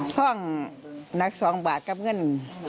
ห้องหนัก๒บาทกับเงิน